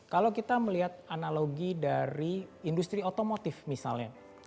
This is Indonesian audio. kalau kita melihat analogi dari industri otomotif misalnya